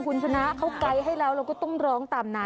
คุณชนะเขาไกด์ให้แล้วเราก็ต้องร้องตามนั้น